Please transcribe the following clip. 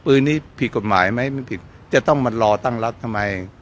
ปืนนี้ผิดกฎหมายมั้ยไม่ผิดจะต้องมาลอสร้างตั้งรับเอาไหม